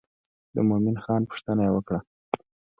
د مومن خان پوښتنه یې وکړه.